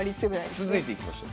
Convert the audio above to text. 続いていきましょう。